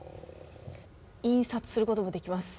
印刷することもできます。